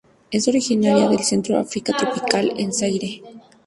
Es originaria del centro de África tropical en Zaire.